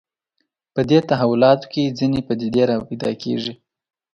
په دې تحولاتو کې ځینې پدیدې راپیدا کېږي